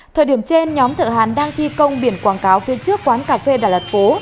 thời điểm trên nhóm thợ hàn đang thi công biển quảng cáo phía trước quán cà phê đà lạt phố